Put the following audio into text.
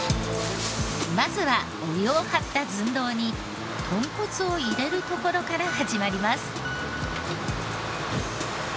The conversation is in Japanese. まずはお湯を張った寸胴に豚骨を入れるところから始まります。